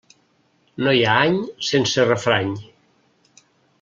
No hi ha any sense refrany.